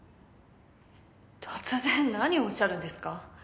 突然何をおっしゃるんですか？